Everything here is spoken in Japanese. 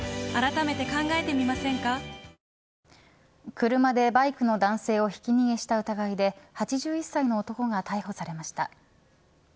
車でバイクの男性をひき逃げした疑いで８１歳の男が逮捕されました。